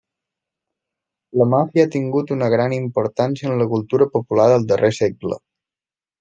La Màfia ha tingut una gran importància en la cultura popular del darrer segle.